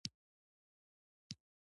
په یاد مې دي چې غرمه کور ته ولاړم